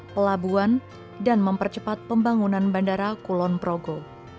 pelabuhan dan mempercepat pembangunan bandara kulon progo